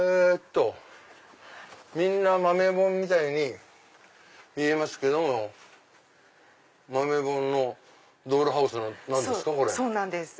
みんな豆本みたいに見えますけども豆本のドールハウスなんですか？